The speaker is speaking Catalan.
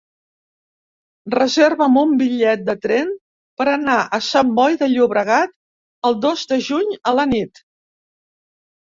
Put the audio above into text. Reserva'm un bitllet de tren per anar a Sant Boi de Llobregat el dos de juny a la nit.